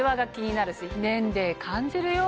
年齢感じるよ。